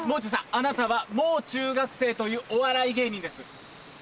あなたは「もう中学生」というお笑い芸人です。